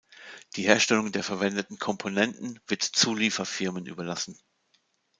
Die Herstellung der verwendeten Komponenten wird Zulieferfirmen überlassen.